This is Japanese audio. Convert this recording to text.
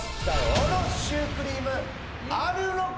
このシュークリームあるのか？